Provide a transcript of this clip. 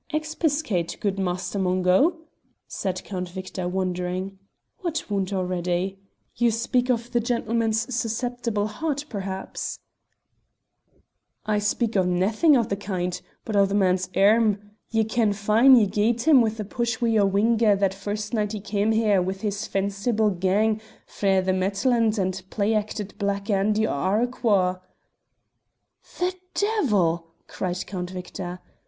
"Expiscate, good Master Mungo," said Count Victor, wondering. "What wound already? You speak of the gentleman's susceptible heart perhaps?" "I speak o' naethin' o' the kind, but o' the man's airm. Ye ken fine ye gied him a push wi' your whinger that first night he cam' here wi' his fenci ble gang frae the Maltland and play acted Black Andy o' Arroquhar." "The devil!" cried Count Victor.